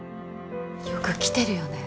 よく来てるよね